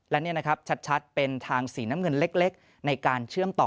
และนี่นะครับชัดเป็นทางสีน้ำเงินเล็กในการเชื่อมต่อ